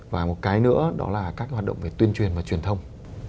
và một cái nữa đó là các hoạt động về tuyên truyền và truyền thông